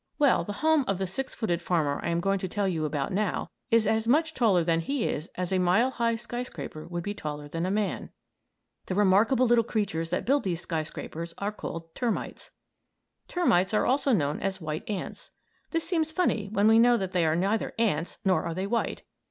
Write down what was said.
Well the home of the six footed farmer I am going to tell you about now is as much taller than he is as a mile high skyscraper would be taller than a man. The remarkable little creatures that build these skyscrapers are called "termites." Termites are also known as "white ants." This seems funny when we know that they are neither "ants" nor are they white.